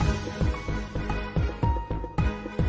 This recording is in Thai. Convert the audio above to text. อย่ารับเงินเงินเลย